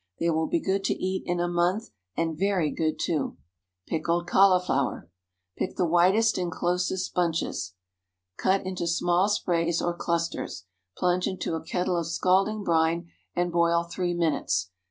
They will be good to eat in a month—and very good too. PICKLED CAULIFLOWER. ✠ Pick the whitest and closest bunches. Cut into small sprays or clusters. Plunge into a kettle of scalding brine and boil three minutes.